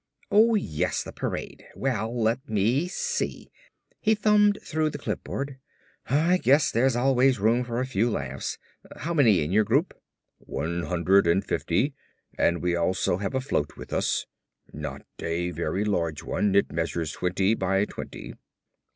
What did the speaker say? "Oh, yes, the parade. Well, let me see," he thumbed through the clipboard, "I guess there's always room for a few laughs. How many in your group?" "One hundred and fifty. And we also have a float with us. Not a very large one. It measures twenty by twenty."